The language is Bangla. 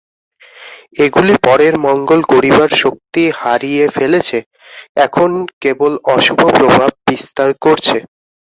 এগুলি পরের মঙ্গল করবার শক্তি হারিয়ে ফেলেছে, এখন কেবল অশুভ প্রভাব বিস্তার করছে।